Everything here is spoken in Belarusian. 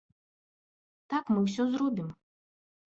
Так, мы ўсё зробім.